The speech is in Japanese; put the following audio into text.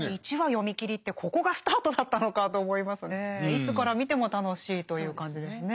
いつから見ても楽しいという感じですね。